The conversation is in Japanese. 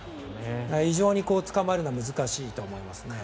非常に、つかまえるのは難しいと思いますね。